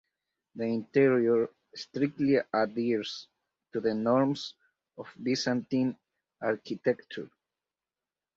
The interior strictly adheres to the norms of Byzantine architecture.